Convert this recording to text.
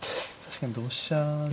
確かに同飛車で。